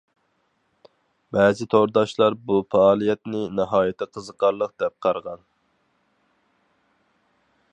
بەزى تورداشلار بۇ پائالىيەتنى ناھايىتى قىزىقارلىق دەپ قارىغان.